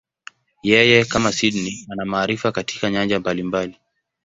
Yeye, kama Sydney, ana maarifa katika nyanja mbalimbali.